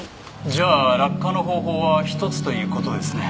じゃあ落下の方法は１つという事ですね。